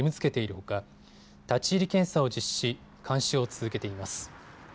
ほか立ち入り検査を実施し、監視を続けています。